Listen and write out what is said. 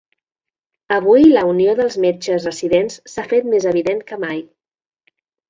Avui la unió dels metges residents s’ha fet més evident que mai!